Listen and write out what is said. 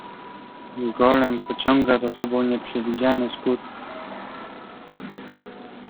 "Golem pociąga za sobą nieprzewidziane skutki."